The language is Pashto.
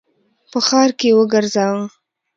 په ښار کي یې وګرځوه !